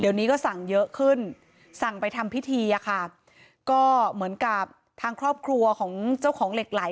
เดี๋ยวนี้ก็สั่งเยอะขึ้นสั่งไปทำพิธีอะค่ะก็เหมือนกับทางครอบครัวของเจ้าของเหล็กไหล